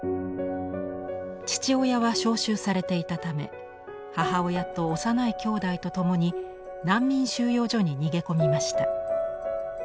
父親は召集されていたため母親と幼いきょうだいと共に難民収容所に逃げ込みました。